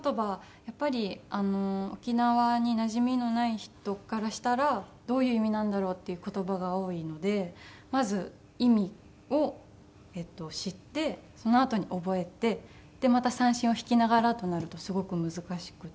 やっぱり沖縄になじみのない人からしたらどういう意味なんだろう？っていう言葉が多いのでまず意味を知ってそのあとに覚えてでまた三線を弾きながらとなるとすごく難しくて。